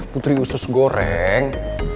putri usus goreng